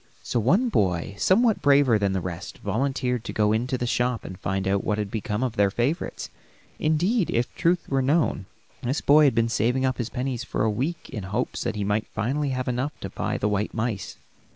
So one boy, somewhat braver than the rest, volunteered to go into the shop and find out what had become of their favorites; indeed, if the truth were known, this boy had been saving up his pennies for a week in hopes that he might finally have enough to buy the white mice.